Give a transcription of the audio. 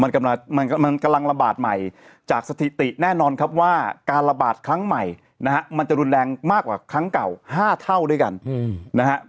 มันกำลังมันกำลังระบาดใหม่จากสถิติแน่นอนครับว่าการระบาดครั้งใหม่นะฮะมันจะรุนแรงมากกว่าครั้งเก่า๕เท่าด้วยกันนะฮะ